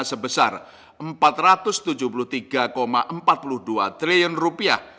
sebesar empat ratus tujuh puluh tiga empat puluh dua triliun rupiah